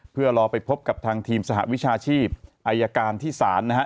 เพื่อรอไปพบกับทางทีมสหวิชาชีพอายการที่ศาลนะฮะ